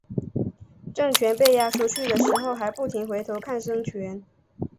郑泉被押出去的时候还不停回头看孙权。